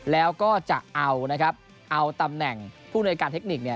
แล้วก็จะเอาตำแหน่งผู้หน่วยการเทคนิค